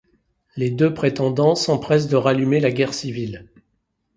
Les deux prétendants s’empressent de rallumer la guerre civile.